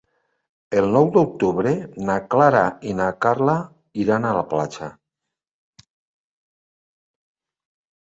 El nou d'octubre na Clara i na Carla iran a la platja.